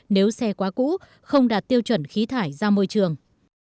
nếu xe quá cũ không đạt tiêu chuẩn khí thải ra môi trường